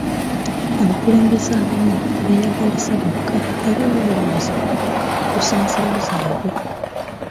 Abakulembeze abamu beeyagaliza bokka era balowooza ku kukkusa nsawo zaabwe.